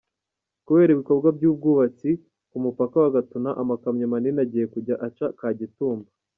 Kubera Ibikorwa By’ubwubatsi K’umupaka Wa Gatuna Amakamyo Manini Agiye Kujya Aca Kagitumba